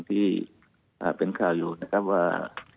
ที่เป็นข่าวอยู่นะครับว่า